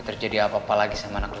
tanpa nyobot mulai ngapain di ini